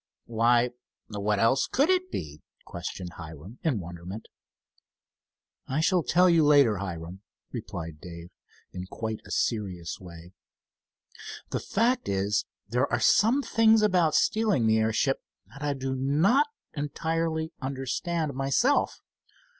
"Why, what else could it be?" questioned Hiram in wonderment. "I shall tell you later, Hiram," replied Dave in quite a serious way. "The fact is, there are some things about stealing the airship that I do not entirely understand myself.